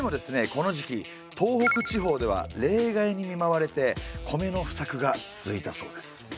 この時期東北地方では冷害にみまわれて米の不作が続いたそうです。